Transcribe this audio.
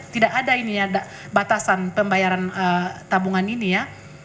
tidak ada ini ada batasan pembayaran tabungan ini ya